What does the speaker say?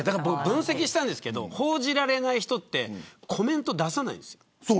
分析したんですけど報じられない人ってコメント出さないんですよ。